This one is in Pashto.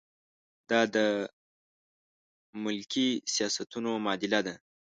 دا د ملکي سیاستونو معادله ده.